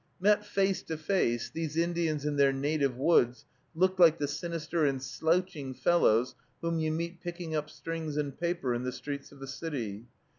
Met face to face, these Indians in their native woods looked like the sinister and slouching fellows whom you meet picking up strings and paper in the streets of a city.